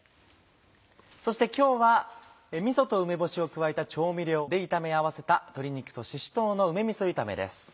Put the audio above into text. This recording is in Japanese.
そして今日はみそと梅干しを加えた調味料で炒め合わせた「鶏肉としし唐の梅みそ炒め」です。